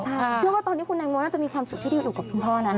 เชื่อว่าตอนนี้คุณแตงโมน่าจะมีความสุขที่ได้อยู่กับคุณพ่อนั้น